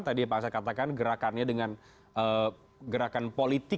tadi pak aksa katakan gerakannya dengan gerakan politik